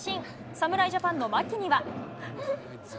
侍ジャパンの牧には。